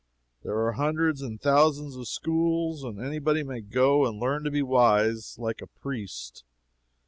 There are hundreds and thousands of schools, and any body may go and learn to be wise, like a priest.